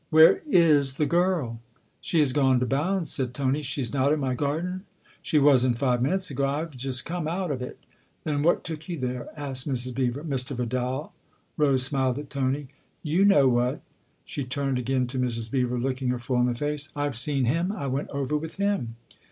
" Where is the girl ?"" She has gone to Bounds," said Tony. " She's not in my garden ?"" She wasn't five minutes ago I've just come out of it." " Then what took you there?" asked Mrs. Beever. " Mr. Vidal." Rose smiled at Tony :" You know THE OTHER HOUSE 247 what !" She turned again to Mrs. Beever, looking her full in the face. " I've seen him. I went over with him."